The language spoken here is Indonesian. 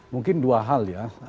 mungkin dua hal ya